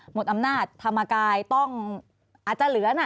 หมดอำนาจธรรมกายต้องอาจจะเหลือนะ